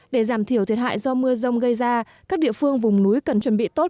để giảm thiểu thiệt hại do mưa rông gây ra các địa phương vùng núi cần chuẩn bị tốt